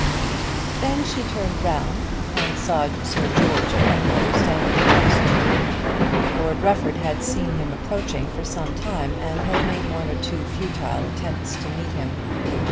Then she turned round and saw Sir George Penwether standing close to them. Lord Rufford had seen him approaching for some time, and had made one or two futile attempts to meet him.